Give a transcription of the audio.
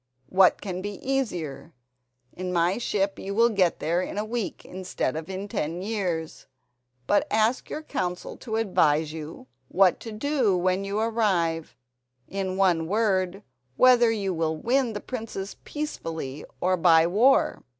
What can be easier? In my ship you will get there in a week instead of in ten years. But ask your council to advise you what to do when you arrive—in one word, whether you will win the princess peacefully or by war?"